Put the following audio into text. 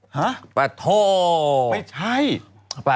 ฮะไม่ใช่ปะโท